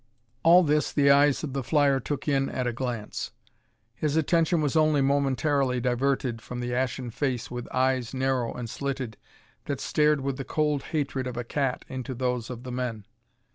All this the eyes of the flyer took in at a glance; his attention was only momentarily diverted from the ashen face with eyes narrow and slitted, that stared with the cold hatred of a cat into those of the men.